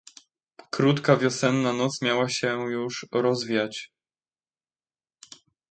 "Krótka wiosenna noc miała się już rozwiać."